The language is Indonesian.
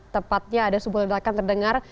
tepatnya ada sebuah ledakan terdengar